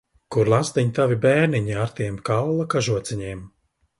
Kur, lazdiņ, tavi bērniņi, ar tiem kaula kažociņiem?